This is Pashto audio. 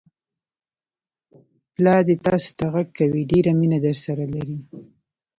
پلا دې تاسوته غږ کوي، ډېره مینه درسره لري!